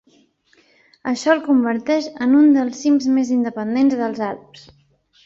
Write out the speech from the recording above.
Això el converteix en un dels cims més independents dels Alps.